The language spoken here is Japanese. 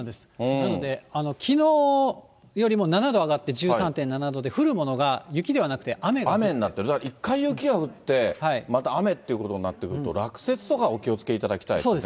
なので、きのうよりも７度上がって、１３．７度で、雨になってる、だから一回雪が降って、また雨っていうことになってくると、落雪とかお気をつけいただきたいですね。